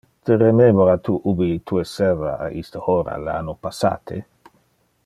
Te rememora tu ubi tu esseva a iste hora le anno passate?